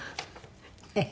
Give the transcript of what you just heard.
ええ。